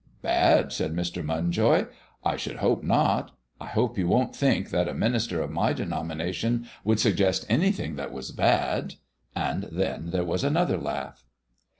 "Bad!" said Mr. Munjoy. "I should hope not. I hope you don't think that a minister of my denomination would suggest anything that was bad." And then there was another laugh.